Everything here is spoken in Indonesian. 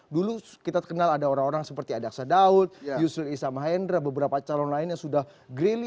dulu kita kenal ada orang orang seperti adaksa daud yusri issam haendra beberapa calon lain yang sudah grilli